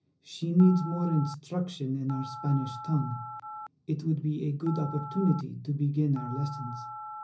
She needs more instruction in our Spanish tongue; it would be a good opportunity to begin our lessons."